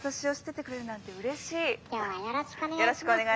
「今日はよろしくお願いしますよ。